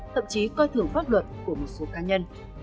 thậm chí coi thường pháp luật của một số cá nhân